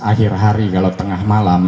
akhir hari kalau tengah malam